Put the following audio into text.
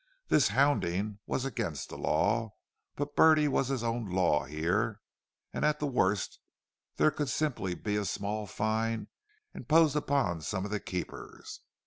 This "hounding" was against the law, but Bertie was his own law here—and at the worst there could simply be a small fine, imposed upon some of the keepers.